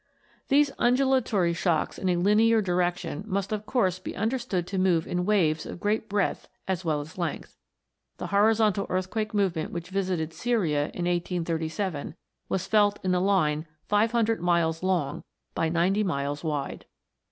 These undulatory shocks in a linear direction must of course be understood to move in waves of great breadth as well as length. The horizontal 298 PLUTO'S KINGDOM. earthquake movement which visited Syria in 1837, was felt in a line five hundred miles long, by ninety miles wide.